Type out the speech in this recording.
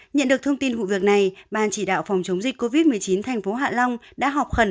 nhận được thông tin vụ việc này ban chỉ đạo phòng chống dịch covid một mươi chín thành phố hạ long đã họp khẩn